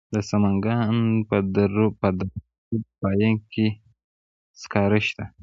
د سمنګان په دره صوف پاین کې سکاره شته.